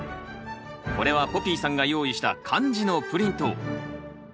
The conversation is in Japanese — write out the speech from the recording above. これはポピーさんが用意した漢字のプリント。